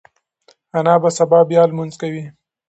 انا به سبا بیا لمونځ کوي.